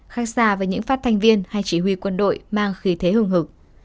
khác xa với những phát thanh viên hay chỉ huy quân đội mang khí thế hưng hực